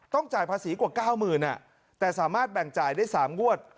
ต้องจ่ายภาษีกว่า๙๐๐๐๐อ่ะแต่สามารถแบ่งจ่ายได้๓วัตร